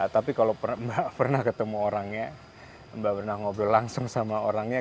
tapi kalau mbak pernah ketemu orangnya mbak pernah ngobrol langsung sama orangnya